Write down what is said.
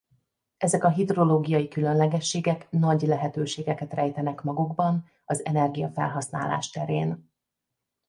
Ezek a hidrológiai különlegességek nagy lehetőségeket rejtenek magukban az energiafelhasználás terén.